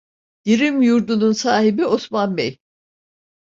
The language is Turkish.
Dirim Yurdu'nun sahibi Osman Bey.